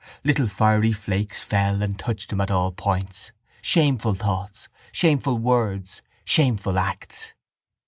Little fiery flakes fell and touched him at all points, shameful thoughts, shameful words, shameful acts.